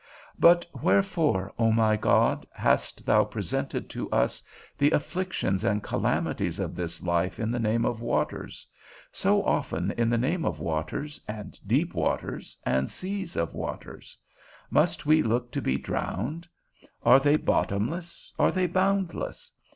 But wherefore, O my God, hast thou presented to us the afflictions and calamities of this life in the name of waters? so often in the name of waters, and deep waters, and seas of waters? Must we look to be drowned? are they bottomless, are they boundless?